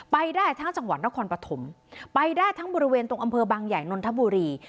ไปได้ทั้งจังหวัดนครปฐมไปได้ทั้งบริเวณตรงอำเภอบางใหญ่นนทบุรี